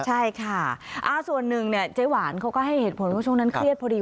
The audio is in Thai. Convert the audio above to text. ใช่ค่ะส่วนหนึ่งเนี่ยเจ๊หวานเขาก็ให้เหตุผลว่าช่วงนั้นเครียดพอดี